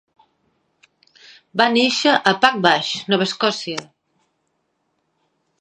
Va néixer a Pugwash, Nova Escòcia.